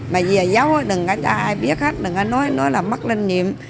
mà dìa dấu đừng có cho ai biết hết đừng có nói là mắc lên nhiệm